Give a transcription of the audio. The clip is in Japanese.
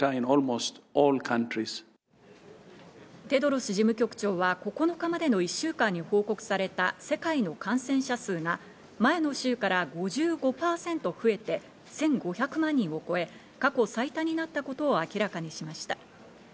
テドロス事務局長は９日までの１週間に報告された世界の感染者数が前の週から５５％増えて１５００万人を超え、過去最多になったことを明らかにしました。